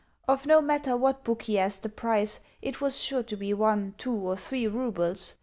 Of no matter what book he asked the price, it was sure to be one, two, or three roubles.